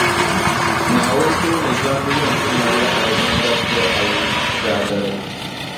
Naawuni tooni zanibu yɛn ti malila Alizanda puri ayi Zaadali.